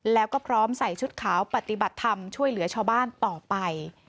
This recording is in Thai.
แล้วก็พร้อมใส่ชุดขาวปฏิบัติธรรมช่วยเหลือชาวบ้านต่อไป